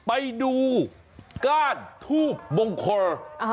ไปดูก้านทูบมงคล